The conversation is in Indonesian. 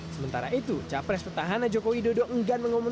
sementara itu capres pertahanan jokowi dodo enggan mengomongkan